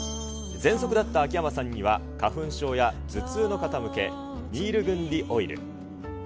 ぜんそくだった秋山さんには花粉症や頭痛の方向け、ニールグンディオイル。